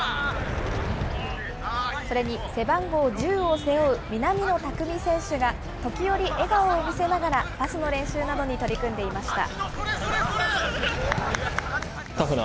それに背番号１０を背負う南野拓実選手が、時折、笑顔を見せながら、パスの練習などに取り組んでいました。